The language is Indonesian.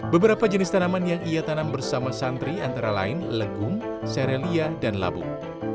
beberapa jenis tanaman yang ia tanam bersama santri antara lain legung serelia dan labung